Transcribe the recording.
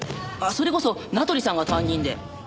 それこそ名取さんが担任で。